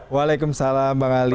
waalaikumsalam bang ali